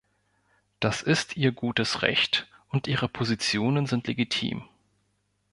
Das ist ihr gutes Recht und ihre Positionen sind legitim.